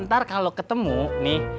ntar kalau ketemu nih